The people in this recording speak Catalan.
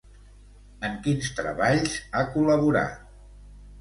En quins treballs ha col·laborat?